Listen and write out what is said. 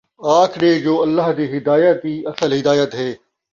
آکھ ݙے جو اللہ دِی ہدایت اِی اصل ہدایت ہے،